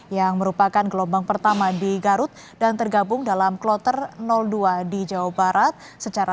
yang merupakan gelombang pertama di garut dan tergabung dalam kloter dua di jawa barat